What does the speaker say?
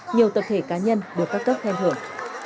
nhiều tập thể cá nhân được các cấp khen thưởng